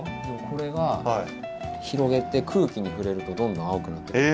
これが広げて空気に触れるとどんどん青くなってくる。